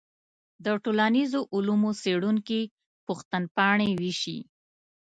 د ټولنیزو علومو څېړونکي پوښتنپاڼې ویشي.